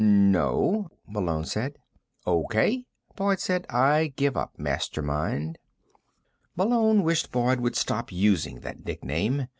"No," Malone said. "O.K.," Boyd said. "I give up, Mastermind." Malone wished Boyd would stop using that nickname.